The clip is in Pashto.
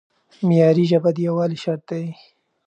معیاري ژبه د یووالي شرط دی.